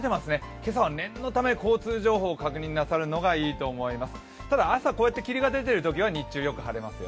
今朝は念のため交通情報を確認されるのがよいと思います。